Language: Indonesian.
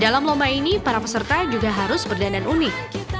dalam lomba ini para peserta juga harus berdandan unik